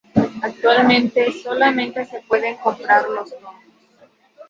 Actualmente solamente se pueden comprar los tomos.